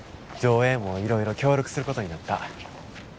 条映もいろいろ協力することになった。